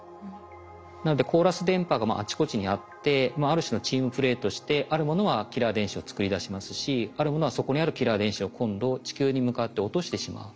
なのでコーラス電波があちこちにあってある種のチームプレーとしてあるものはキラー電子を作り出しますしあるものはそこにあるキラー電子を今度地球に向かって落としてしまう。